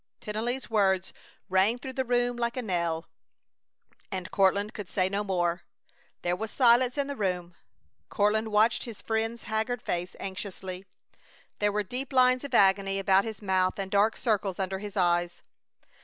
Tennelly's words rang through the room like a knell, and Courtland could say no more. There was silence in the room. Courtland watched his friend's haggard face anxiously. There were deep lines of agony about his mouth and dark circles under his eyes.